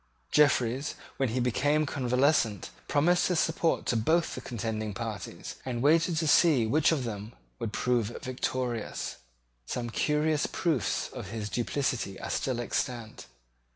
Jeffreys, when he became convalescent, promised his support to both the contending parties, and waited to see which of them would prove victorious. Some curious proofs of his duplicity are still extant.